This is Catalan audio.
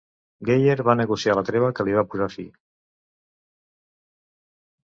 Geyer va negociar la treva que li va posar fi.